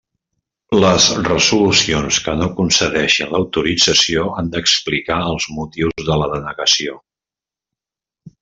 Les resolucions que no concedixen l'autorització han d'explicar els motius de la denegació.